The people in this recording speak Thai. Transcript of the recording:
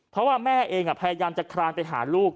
เพราะว่าแม่เองพยายามจะคลานไปหาลูก